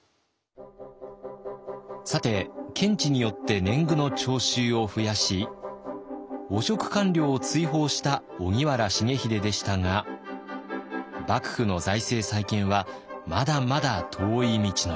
さて検地によって年貢の徴収を増やし汚職官僚を追放した荻原重秀でしたが幕府の財政再建はまだまだ遠い道のり。